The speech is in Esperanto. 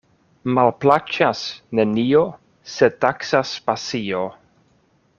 Malplaĉas nenio, se taksas pasio.